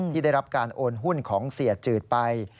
ที่ได้รับการโอนหุ้นของเสียจืดไป